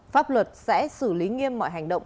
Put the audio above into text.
pháp luật sẽ xử lý nghiêm mọi hành động